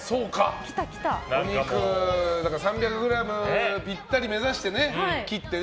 お肉、３００ｇぴったり目指して切ってね。